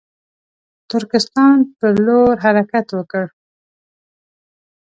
ترکستان پر لور حرکت وکړ.